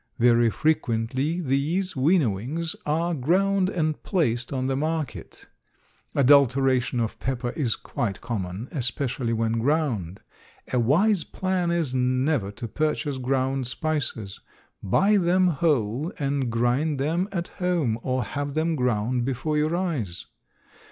Very frequently these winnowings are ground and placed on the market. Adulteration of pepper is quite common, especially when ground. A wise plan is never to purchase ground spices. Buy them whole and grind them at home or have them ground before your eyes.